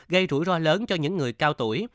gây rủi ro lớn cho những người cao tuổi